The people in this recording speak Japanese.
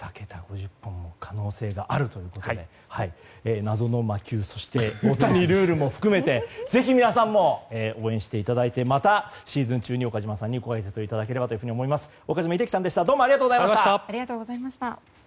２桁５０本も可能性があるということで謎の魔球そして大谷ルールも含めてぜひ皆さんも応援していただいてまたシーズン中に岡島さんにご解説をいただければと思います。